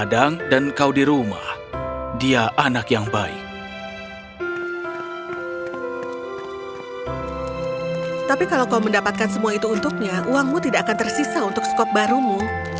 uangmu tidak akan tersisa untuk skop barumu